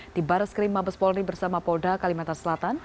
di barres krim mabes polri bersama polda kalimantan selatan